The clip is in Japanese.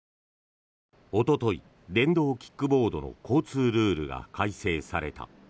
おととい、電動キックボードの交通ルールが改正された。